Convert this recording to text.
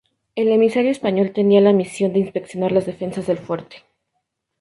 El emisario español tenía la misión de inspeccionar las defensas del fuerte.